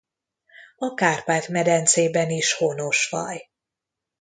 A Kárpát-medencében is honos faj.